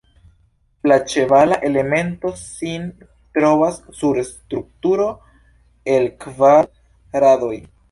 La ĉevala elemento sin trovas sur strukturo el kvar radoj.